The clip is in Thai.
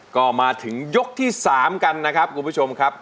ก็มาถึงยกที่๓กันนะครับคุณผู้ชมครับ